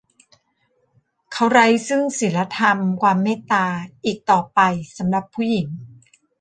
เขาไร้ซึ่งศีลธรรม ความเมตตา อีกต่อไปสำหรับผู้หญิง